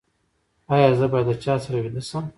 ایا زه باید له چا سره ویده شم؟